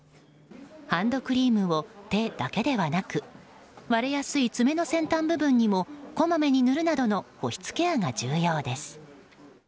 ハンドクリームを手だけではなく割れやすい爪の先端部分にもこまめに塗るなどの保湿ケアが重要です。